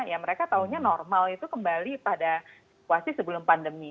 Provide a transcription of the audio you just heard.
ya mereka taunya normal itu kembali pada situasi sebelum pandemi